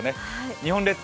日本列島